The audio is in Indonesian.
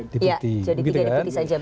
jadi tiga deputi saja